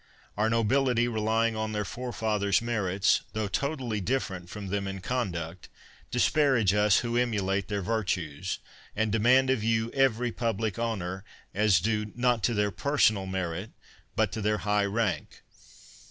Our nobility, relying on their forefathers' merits, tho totally different from them in conduct, disparage us who emu late their virtues and demand of you every public honor, as due, not to their personal merit, but to their high rank.